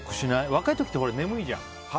若い時って、眠いじゃん。